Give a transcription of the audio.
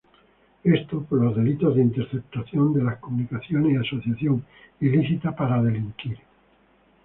Esto, por los delitos de interceptación de las comunicaciones y asociación ilícita para delinquir.